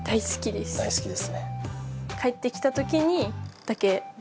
大好きです。